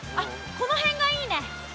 このへんがいいね。